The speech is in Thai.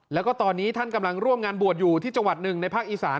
แล้วก็ตอนนี้ท่านกำลังร่วมงานบวชอยู่ที่จังหวัดหนึ่งในภาคอีสาน